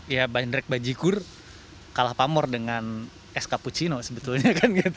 ya banderik dan bajigur kalah pamor dengan es cappuccino sebetulnya